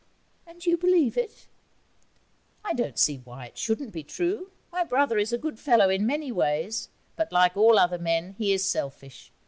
'And you believe it?' 'I don't see why it shouldn't be true. My brother is a good fellow in many ways, but, like all other men, he is selfish.